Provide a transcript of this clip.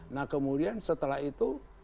nah kemudian setelah itu